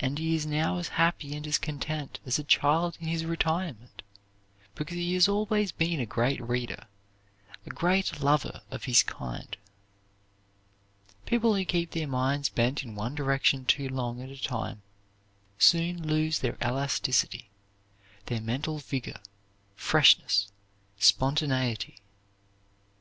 And he is now as happy and as contented as a child in his retirement, because he has always been a great reader, a great lover of his kind. People who keep their minds bent in one direction too long at a time soon lose their elasticity, their mental vigor, freshness, spontaneity.